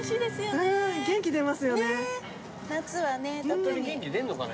ホントに元気出るのかね